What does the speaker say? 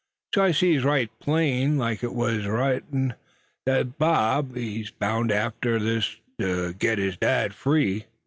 So I sees right plain like it was writ, thet Bob, he's bound arter this, ter git his dad free."